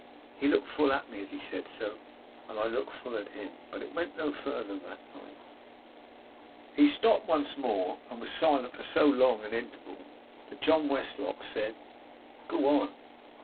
He looked full at me as he said so, and I looked full at him; but it went no farther that night.' He stopped once more, and was silent for so long an interval that John Westlock said 'Go on.